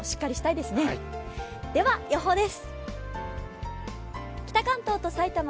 では予報です。